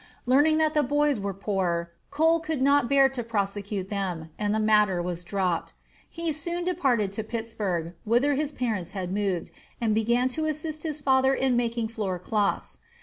Learning that the boys were poor, Cole could not bear to prosecute them; and the matter was dropped. He soon departed to Pittsburgh, whither his parents had moved, and began to assist his father in making floor cloths.